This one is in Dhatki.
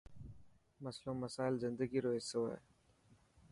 مسلو، مسئلا زندگي رو حصو هي.